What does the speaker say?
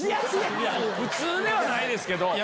普通ではないですけど。